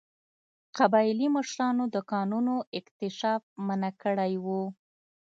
قبایلي مشرانو د کانونو اکتشاف منع کړی و.